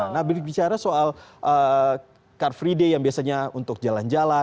nah berbicara soal car free day yang biasanya untuk jalan jalan